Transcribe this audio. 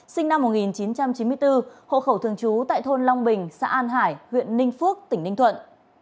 sinh năm một nghìn chín trăm chín mươi bốn hộ khẩu thường trú tại thôn long bình xã an hải huyện ninh phước tỉnh ninh thuận